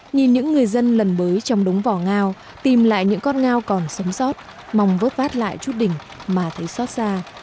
nhìn những người dân lần mới trong đống vỏ ngao tìm lại những con ngao còn sống sót mong vớt vát lại chút đỉnh mà thấy sót ra